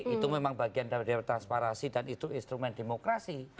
itu memang bagian dari transparasi dan itu instrumen demokrasi